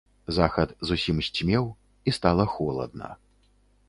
Захад зусім сцьмеў, і стала холадна.